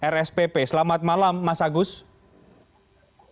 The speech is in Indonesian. rspp selamat malam mas agus